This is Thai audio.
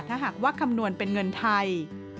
ถ้าหากว่าคำนวณเป็นเงินไทย